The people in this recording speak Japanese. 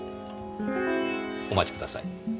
お待ちください。